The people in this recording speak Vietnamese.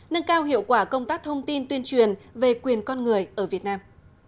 nâng cao hiệu quả công tác thông tin tuyên truyền về quyền con người ở việt nam